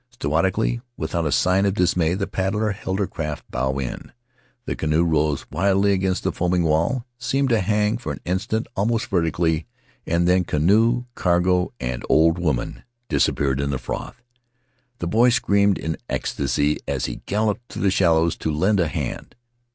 Stoically, without a sign of dismay, the paddler held her craft bow on; the canoe rose wildly against the foaming wall, seemed to hang for an instant almost vertically, and then canoe, cargo, and old woman disappeared in the froth. The boy screamed in ecstasy as he galloped through the shallows to lend a hand.